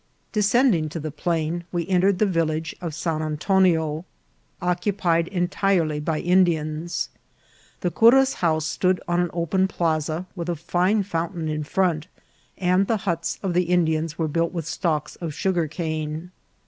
Descending to the plain, we entered the vil lage of San Antonio, occupied entirely by Indians. The cura's house stood on an open plaza, with a fine fountain in front, and the huts of the Indians were built with stalks of sugarcane.